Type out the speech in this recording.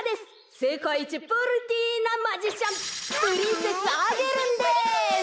せかいいちプリティーなマジシャンプリンセスアゲルンです。